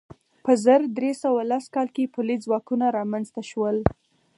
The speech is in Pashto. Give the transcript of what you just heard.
په زر درې سوه لس کال کې پولیس ځواکونه رامنځته شول.